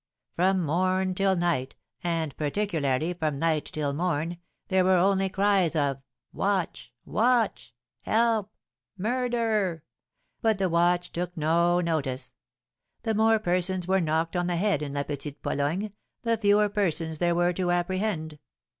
From morn till night, and, particularly, from night till morn, there were only heard cries of 'Watch! Watch! Help! Murder!' but the watch took no notice. The more persons were knocked on the head in La Petite Pologne, the fewer persons there were to apprehend.